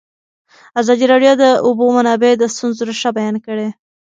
ازادي راډیو د د اوبو منابع د ستونزو رېښه بیان کړې.